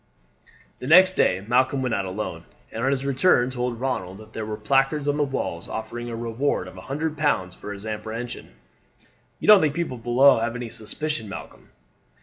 The next day Malcolm went out alone, and on his return told Ronald that there were placards on the walls offering a reward of a hundred pounds for his apprehension. "You don't think the people below have any suspicion, Malcolm?"